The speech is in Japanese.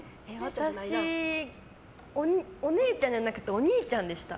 私、お姉ちゃんじゃなくてお兄ちゃんでした。